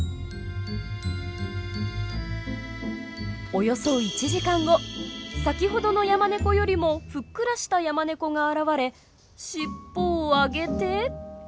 およそ１時間後先ほどのヤマネコよりもふっくらしたヤマネコが現れしっぽを上げて。